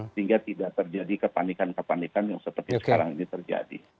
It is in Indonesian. sehingga tidak terjadi kepanikan kepanikan yang seperti sekarang ini terjadi